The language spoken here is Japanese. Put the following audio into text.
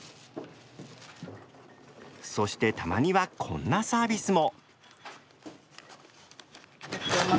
そしてたまにはこんなサービスも！